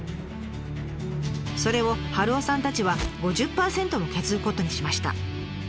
それを春雄さんたちは５０％も削ることにしました。